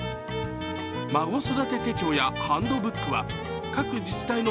孫育て手帳やハンドブックは各自治体の